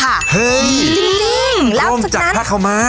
เฮ้ยจริงร่มจากผ้าขาวม้า